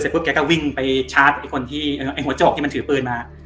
ปุ๊บแกก็วิ่งไปชาร์จไอ้คนที่ไอ้หัวโจ๊กที่มันถือปืนมา